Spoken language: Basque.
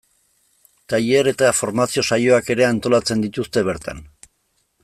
Tailer eta formazio saioak ere antolatzen dituzte bertan.